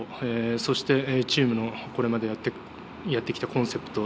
そしてチームのこれまでやってきたコンセプト。